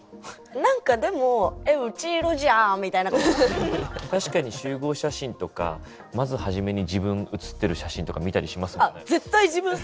何かでも確かに集合写真とかまず初めに自分写ってる写真とか見たりしますよね。